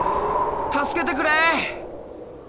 助けてくれ！